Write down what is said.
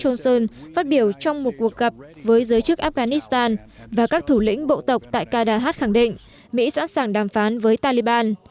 trong một tuyên bố tướng john nicholson phát biểu trong một cuộc gặp với giới chức afghanistan và các thủ lĩnh bộ tộc tại qadha had khẳng định mỹ sẵn sàng đàm phán với taliban